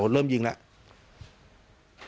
เริ่มยิงแล้ว